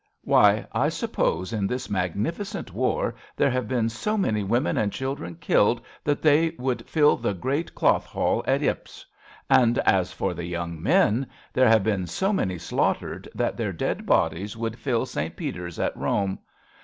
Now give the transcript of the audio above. Why, I suppose in this mag nificent war there have been so many women and children killed that they would fill the great Cloth Hall at Ypres ; and, as for the young men, there have been so many slaughtered that their dead bodies would fill St. Peter's at Rome.